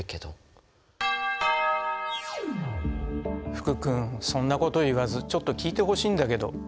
福君そんなこと言わずちょっと聞いてほしいんだけど。